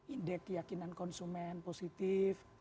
indeks keyakinan konsumen positif